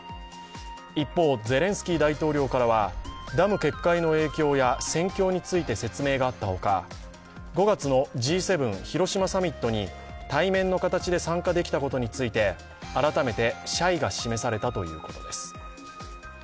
一方、ゼレンスキー大統領からはダム決壊の影響や戦況について説明があったほか５月のＧ７広島サミットに対面の形で参加できたことについて改めて謝意が示されたということです。